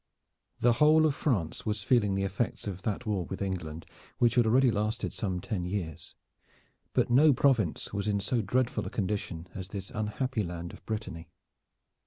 The whole of France was feeling the effects of that war with England which had already lasted some ten years, but no Province was in so dreadful a condition as this unhappy land of Brittany.